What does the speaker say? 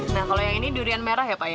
nah kalau yang ini durian merah ya pak ya